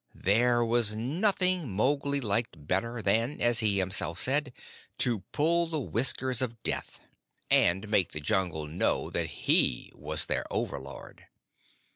There was nothing Mowgli liked better than, as he himself said, "to pull the whiskers of Death," and make the Jungle know that he was their overlord.